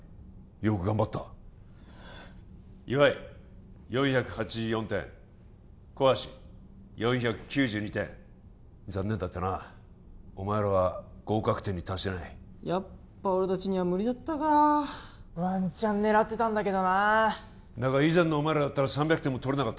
よく頑張った岩井４８４点小橋４９２点残念だったなお前らは合格点に達してないやっぱ俺達には無理だったかワンチャン狙ってたんだけどなだが以前のお前らだったら３００点も取れなかっ